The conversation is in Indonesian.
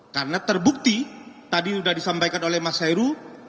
karena terbukti tadi sudah disampaikan oleh mas heru